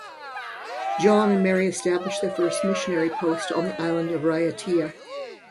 John and Mary established their first missionary post on the island of Raiatea.